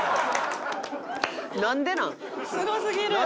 すごすぎる！